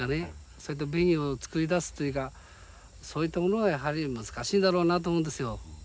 そういった紅を作り出すというかそういったものはやはり難しいんだろうなと思うんですよ。